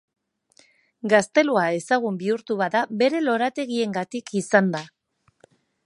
Gaztelua ezagun bihurtu bada bere lorategiengatik izan da.